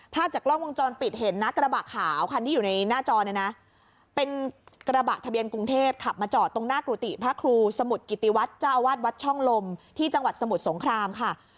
จากกล้องวงจรปิดเห็นนะกระบะขาวคันที่อยู่ในหน้าจอเนี่ยนะเป็นกระบะทะเบียนกรุงเทพขับมาจอดตรงหน้ากุฏิพระครูสมุทรกิติวัฒน์เจ้าอาวาสวัดช่องลมที่จังหวัดสมุทรสงครามค่ะ